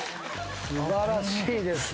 素晴らしいですね。